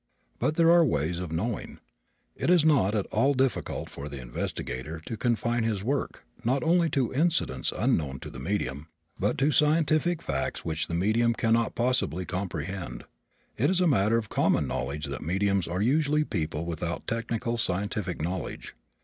But there are ways of knowing. It is not at all difficult for the investigator to confine his work, not only to incidents unknown to the medium, but to scientific facts which the medium can not possibly comprehend. It is a matter of common knowledge that mediums are usually people without technical scientific knowledge.